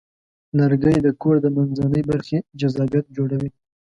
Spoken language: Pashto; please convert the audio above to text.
لرګی د کور د منځنۍ برخې جذابیت جوړوي.